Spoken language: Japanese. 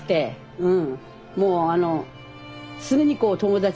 うん。